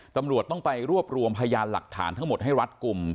ตำรวจต้องไปรวบรวมพยานหลักฐานทั้งหมดให้รัฐกลุ่ม